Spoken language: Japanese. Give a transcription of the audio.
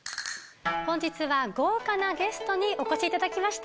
本日は豪華なゲストにお越しいただきました。